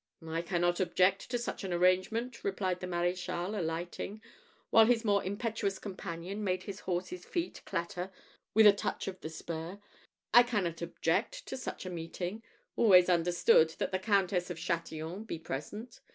"I cannot object to such an arrangement," replied the Maréchal, alighting, while his more impetuous companion made his horse's feet clatter with a touch of the spur. "I cannot object to such a meeting always understood, that the Countess of Chatillon be present.